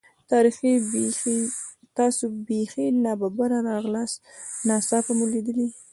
تاسې بیخي نا ببره راغلاست، ناڅاپه مو لیدل.